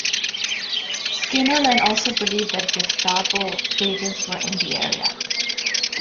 Skinnarland also believed that Gestapo agents were in the area.